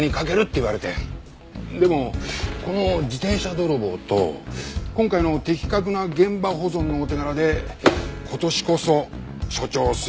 でもこの自転車泥棒と今回の的確な現場保存のお手柄で今年こそ署長推薦間違いないですよ。